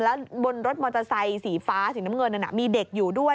แล้วบนรถมอเตอร์ไซค์สีฟ้าสีน้ำเงินนั้นมีเด็กอยู่ด้วย